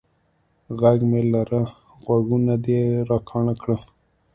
ږغ مه لره، غوږونه دي را کاڼه کړل.